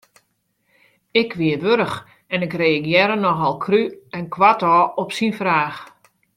Ik wie warch en ik reagearre nochal krú en koartôf op syn fraach.